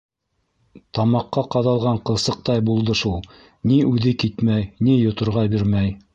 Тамаҡҡа ҡаҙалған ҡылсыҡтай булды шул: ни үҙе китмәй, ни йоторға бирмәй.